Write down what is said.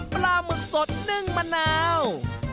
ปลาหมึกสดนึ่งมะนาว